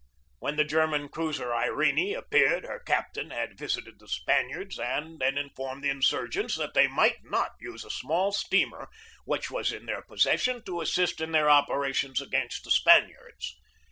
When the German cruiser Irene appeared her captain had vis ited the Spaniards and then informed the insurgents that they might not use a small steamer which was in their possession to assist in their operations against the Spaniards.